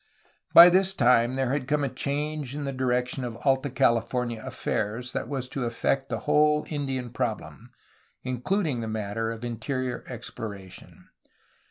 By this time there had come a change in the direction of Alta California affairs that was to affect the whole Indian problem, including the matter of interior exploration.